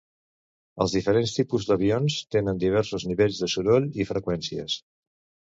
Els diferents tipus d'avions tenen diversos nivells de soroll i freqüències.